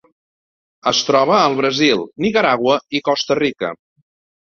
Es troba al Brasil, Nicaragua i Costa Rica.